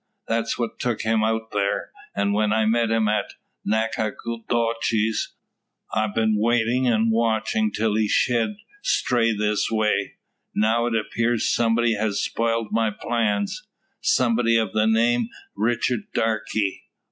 That's what took him out thar, when I met him at Nacogdoches. I've been waitin' and watchin' till he shed stray this way. Now, it appears, somebody has spoilt my plans somebody o' the name Richard Darke.